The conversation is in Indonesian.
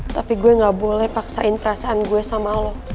tapi gue gak boleh paksain perasaan gue sama lo